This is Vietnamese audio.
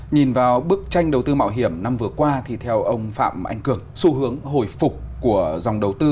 nhìn vào bức tranh đầu tư mạo hiểm năm vừa qua thì theo ông phạm anh cường xu hướng hồi phục của dòng đầu tư